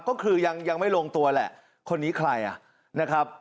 ก็คือยังยังไม่ลงตัวแหละคนนี้ใครอ่ะนะครับ